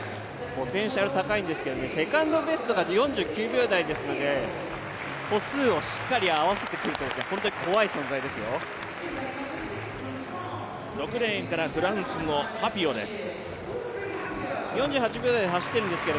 ポテンシャル高いんですけど、セカンドベストが４９秒台ですので歩数をしっかり合わせてくると本当に怖い存在ですよ。